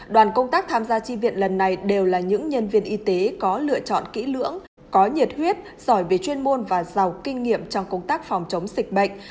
đoàn công tác tham gia tri viện lần này đều là những nhân viên y tế có lựa chọn kỹ lưỡng có nhiệt huyết giỏi về chuyên môn và giàu kinh nghiệm trong công tác phòng chống dịch bệnh